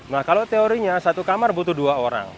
nah kalau teorinya satu kamar butuh dua orang